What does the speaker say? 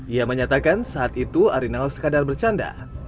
ia menyatakan saat itu arinal sekadar bercanda